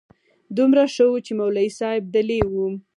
دومره ښه و چې مولوي صاحب دلې و.